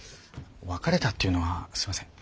別れたっていうのはすいません